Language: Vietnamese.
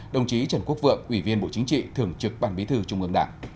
đồng chí trần quốc vượng ủy viên bộ chính trị thường trực ban bí thư trung ương đảng